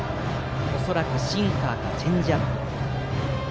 恐らくシンカーかチェンジアップ。